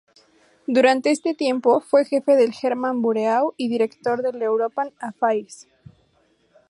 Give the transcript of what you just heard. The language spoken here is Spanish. Durante este tiempo fue jefe del "German Bureau" y director de "European Affairs".